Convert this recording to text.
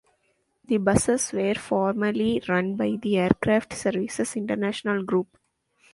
The buses were formerly run by the Aircraft Services International Group.